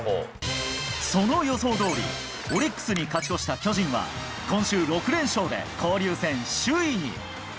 その予想通り、オリックスに勝ち越した巨人は今週６連勝で交流戦首位に。